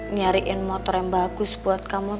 nyariin motor yang bagus buat kamu